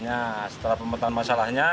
nanti bakal diromak total apa